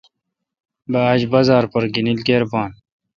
بہ آج بازار پر گینل کیر بھان۔